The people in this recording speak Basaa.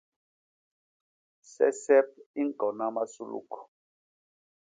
Sesep i ñkona masuluk.